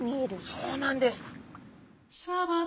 そうなんです。